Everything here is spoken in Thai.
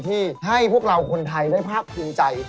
ที่ให้พวกเราคนไทยได้ภาคภูมิใจ